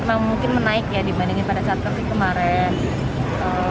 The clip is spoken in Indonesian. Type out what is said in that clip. memang mungkin menaik ya dibandingkan pada saat tersebut kemarin